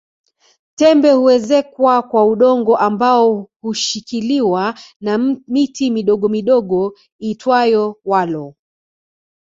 Tembe huezekwa kwa udongo ambao hushikiliwa na miti midogomidogo iitwayo walo